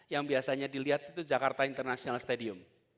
yang biasanya dilihat itu jakarta international stadium